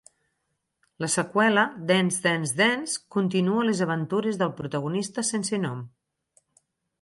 La seqüela, "Dance, Dance, Dance", continua les aventures del protagonista sense nom.